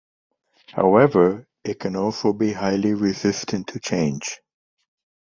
However, it can also be highly resistant to change.